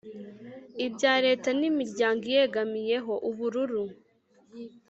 ibya leta n’imiryango iyegamiyeho=ubururu